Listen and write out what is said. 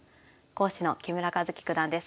講師の木村一基九段です。